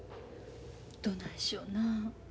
どないしょな。